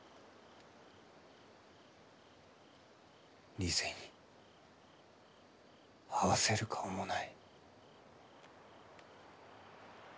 リセに合わせる顔もない。